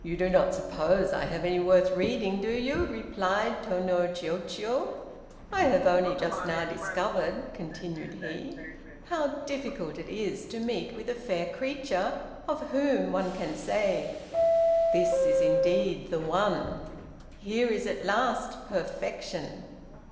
"You do not suppose that I have any worth reading, do you?" replied Tô no Chiûjiô. "I have only just now discovered," continued he, "how difficult it is to meet with a fair creature, of whom one can say, 'This is, indeed, the one; here is, at last, perfection.'